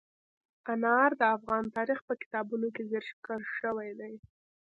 انار د افغان تاریخ په کتابونو کې ذکر شوی دي.